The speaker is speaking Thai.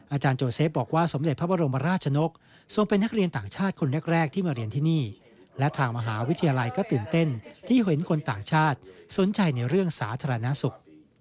อาจารย์โจเซฟบอกว่าสมเด็จพระบรมราชนกทรงเป็นนักเรียนต่างชาติคนแรกที่มาเรียนที่นี่และทางมหาวิทยาลัยก็ตื่นเต้นที่เห็นคนต่างชาติสนใจในเรื่องสาธารณสุข